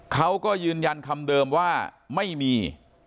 เขาก็ยืนยันคำเดิมว่าไม่มี